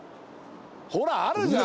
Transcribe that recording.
ほらあるじゃん！